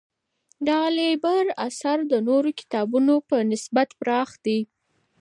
د «العِبر» اثر د نورو کتابونو په نسبت پراخ دی.